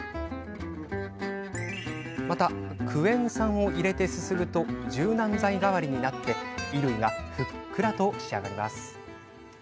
また、クエン酸を入れてすすぐと柔軟剤代わりになって衣類がふっくらと仕上がります。